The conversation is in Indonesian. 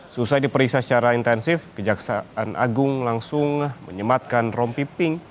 setelah diperiksa secara intensif kejaksaan agung langsung menyematkan rompiping